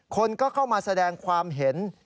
คนก็เข้ามาแสดงความเห็น